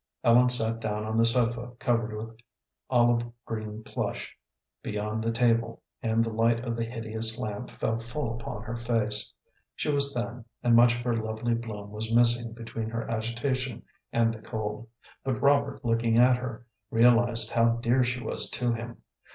Ellen sat down on the sofa covered with olive green plush, beyond the table, and the light of the hideous lamp fell full upon her face. She was thin, and much of her lovely bloom was missing between her agitation and the cold; but Robert, looking at her, realized how dear she was to him.